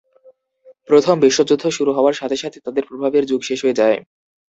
প্রথম বিশ্বযুদ্ধ শুরু হওয়ার সাথে সাথে তাদের প্রভাবের যুগ শেষ হয়ে যায়।